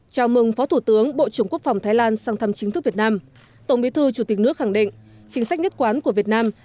chào mừng phó thủ tướng bộ trưởng quốc phòng thái lan sang thăm chính thức việt nam